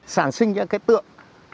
sản sinh ra cái tượng